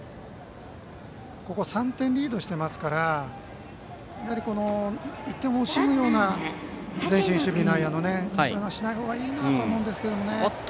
ここ、３点リードしていますから１点を惜しむような内野の前進守備はしないほうがいいなと思うんですけどね。